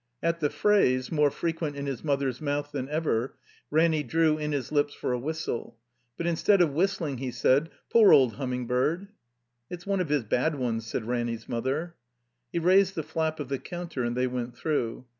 At the phrase, more frequent in his mother's mouth than ever, Ranny drew in his lips for a whistle; but instead of whistling he said, ''Poor old Humming bird." "It's one of His bad ones," said Ranny 's mother. He raised the flap of the counter, and they went through.